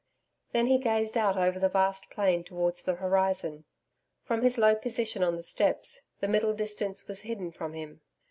Then he gazed out over the vast plain towards the horizon. From his low position on the steps, the middle distance was hidden from him.